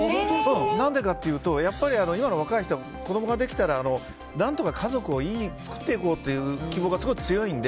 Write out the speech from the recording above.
何でかというとやっぱり今の若い人は子供ができたら何とか家族を作っていこうという希望がすごい強いので。